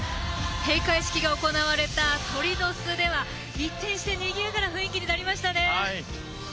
閉会式が行われた鳥の巣では一転して、にぎやかな雰囲気になりましたね。